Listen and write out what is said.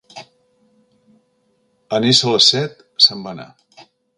En ésser les set, se'n va anar.